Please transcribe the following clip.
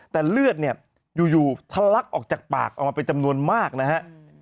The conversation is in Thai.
แต่เลือดเนี่ยอยู่ทะลักออกจากปากออกมาเป็นจำนวนมากนะฮะ